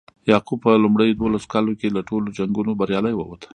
یعقوب په لومړیو دولسو کالو کې له ټولو جنګونو بریالی ووت.